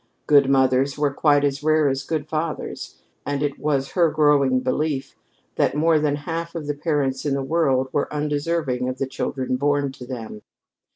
Good mothers were quite as rare as good fathers; and it was her growing belief that more than half of the parents in the world were undeserving of the children born to them.